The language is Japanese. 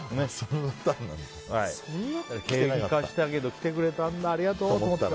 けんかしたけど来てくれたんだありがとうと思ったら。